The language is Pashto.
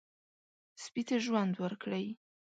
سپي ته ژوند ورکړئ.